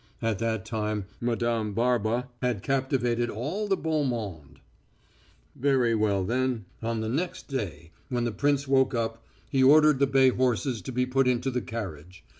At that time Madame Barba had captivated all the beau monde. Very well, then. On the next day, when the prince woke up, he ordered the bay horses to be put into the carriage.